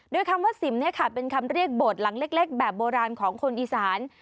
โดยคำว่าสิมเป็นคำเรียกโบสถ์หลังเล็กแบบโบราณของคนอีสาน